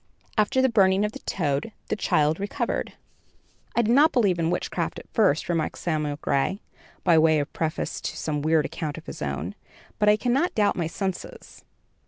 After the burning of the toad, the child recovered." "I did not believe in witchcraft at first," remarked Samuel Gray, by way of preface to some weird account of his own; "but I cannot doubt my senses.